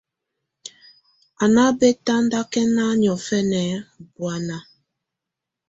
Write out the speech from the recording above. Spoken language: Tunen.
Á ná bɛ́tandakɛ́na niɔ̀fɛna ú bùána.